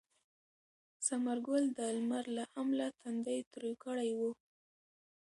ثمر ګل د لمر له امله تندی تریو کړی و.